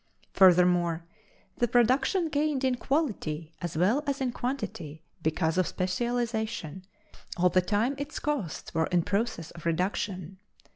Furthermore, the production gained in quality as well as in quantity, because of specialization, all the time its costs were in process of reduction.